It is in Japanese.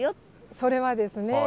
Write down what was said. それはですね